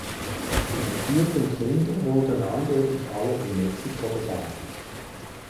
Die entführten Kinder wurden angeblich alle in Mexiko beseitigt.